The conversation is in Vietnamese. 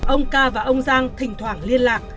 ông ca và ông giang thỉnh thoảng liên lạc